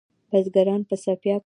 بزګران په څپیاکو ډوډئ پخوی